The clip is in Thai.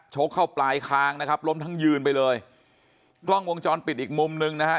กเข้าปลายคางนะครับล้มทั้งยืนไปเลยกล้องวงจรปิดอีกมุมหนึ่งนะฮะ